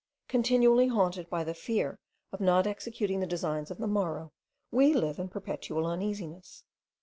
Continually haunted by the fear of not executing the designs of the morrow, we live in perpetual uneasiness.